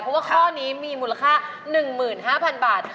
เพราะว่าข้อนี้มีมูลค่า๑๕๐๐๐บาท